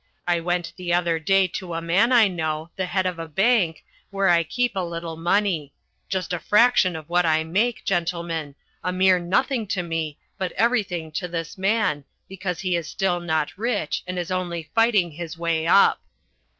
I went the other day to a man I know, the head of a bank, where I keep a little money just a fraction of what I make, gentlemen, a mere nothing to me but everything to this man because he is still not rich and is only fighting his way up.